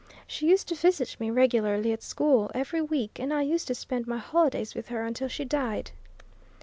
She used to visit me regularly at school, every week, and I used to spend my holidays with her until she died."